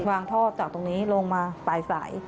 ท่อจากตรงนี้ลงมาปลายสาย